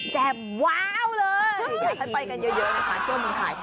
แจ่มว้าวเลยอยากให้ไปกันเยอะในการเที่ยวมุมไทย